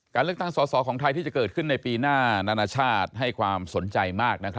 เลือกตั้งสอสอของไทยที่จะเกิดขึ้นในปีหน้านานาชาติให้ความสนใจมาก